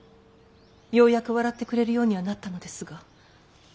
ようやく笑ってくれるようにはなったのですが。